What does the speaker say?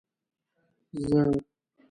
زه.